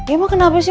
iya mah kenapa sih